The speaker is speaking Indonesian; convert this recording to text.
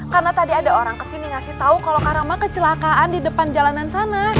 karena tadi ada orang ke sini ngasih tau kalo karama kecelakaan di depan jalanan sana